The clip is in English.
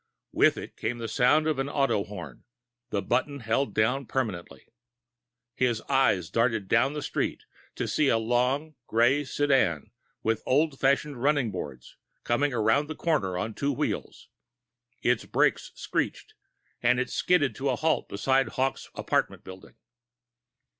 With it came the sound of an auto horn, the button held down permanently. His eyes darted down the street, to see a long, gray sedan with old fashioned running boards come around the corner on two wheels. Its brakes screeched, and it skidded to a halt beside Hawkes' apartment building.